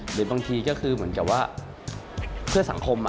หรือบางทีก็คือเหมือนกับว่าเพื่อสังคม